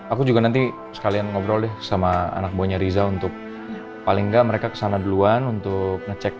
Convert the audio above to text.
aku juga nanti sekalian ngobrol deh sama anak buahnya riza untuk paling nggak mereka kesana duluan untuk ngecek